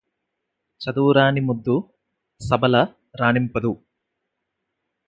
చదువురాని మొద్దు సభల రాణింపదు